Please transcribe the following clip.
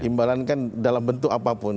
imbalan kan dalam bentuk apapun